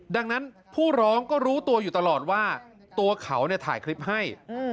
ดังนั้นผู้ร้องก็รู้ตัวอยู่ตลอดว่าตัวเขาถ่ายคลิปให้